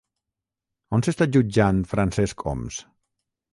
On s'està jutjant Francesc Homs?